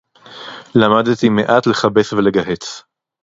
למדתי מעט לכבס ולגהץ